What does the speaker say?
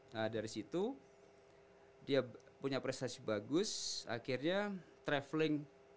nah dari situ dia punya prestasi bagus akhirnya traveling di negara itu